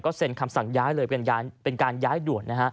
เซ็นคำสั่งย้ายเลยเป็นการย้ายด่วนนะฮะ